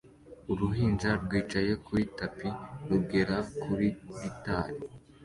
Uruhinja rwicaye kuri tapi rugera kuri gitari